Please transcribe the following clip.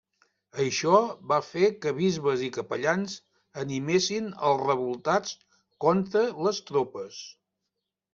Això va fer que bisbes i capellans animessin als revoltats contra les tropes.